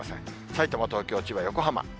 さいたま、東京、千葉、横浜。